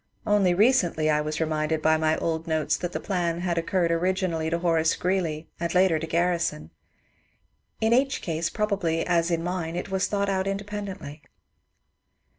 Only recently I was reminded by my old notes that the plan had occurred originally to Horace Greeley and later to Garrison ; in each case probably as in mine it was thought out independently.